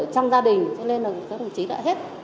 trong gia đình cho nên là các đồng chí đã hết